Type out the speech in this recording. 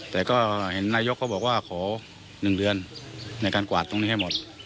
แต่ก็เห็นนายกเขาบอกว่าขอ๑เดือนในการกวาดตรงนี้ให้หมด